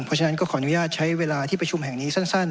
เพราะฉะนั้นก็ขออนุญาตใช้เวลาที่ประชุมแห่งนี้สั้น